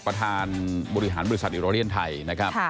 ประธานบริหารบริษัทอิโรเลียนไทยนะครับ